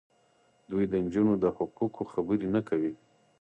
دوی د نجونو د حقونو خبرې نه کوي.